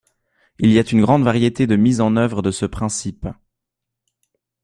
Il y a une grande variété de mises en œuvre de ce principe.